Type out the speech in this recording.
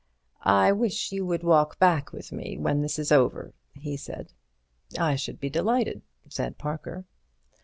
"I wish you would walk back with me when this is over," he said. "I should be delighted," said Parker.